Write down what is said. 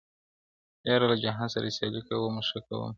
يار له جهان سره سیالي کومه ښه کومه -